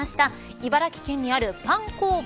茨城県にあるパン工房